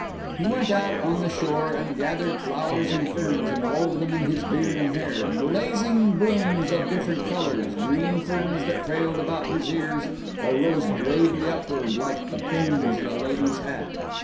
He went out on the shore and gathered flowers and ferns and wove them in his beard and hair blazing blooms of different colors green ferns that trailed about his ears or rose bravely upward like the plumes in a lady's hat.